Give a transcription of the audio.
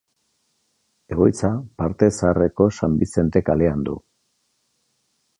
Egoitza Parte Zaharreko San Bizente kalean du.